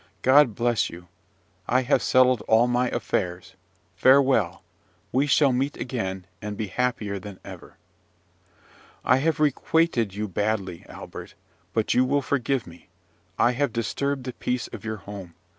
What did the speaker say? God bless you! I have settled all my affairs! Farewell! We shall meet again, and be happier than ever." "I have requited you badly, Albert; but you will forgive me. I have disturbed the peace of your home.